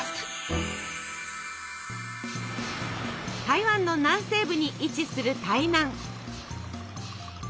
台湾の南西部に位置する台南。